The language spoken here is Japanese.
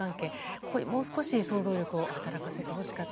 そこにもう少し想像を働かせてほしかった。